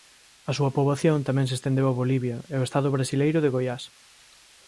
A súa poboación tamén se estendeu a Bolivia e o estado brasileiro de Goiás.